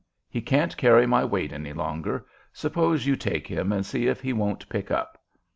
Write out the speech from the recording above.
He can't carry my weight any longer. Suppose you take him and see if he won't pick up."